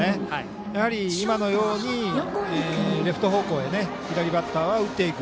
やはり、今のようにレフト方向へ左バッターは打っていく。